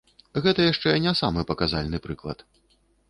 Гэта яшчэ не самы паказальны прыклад.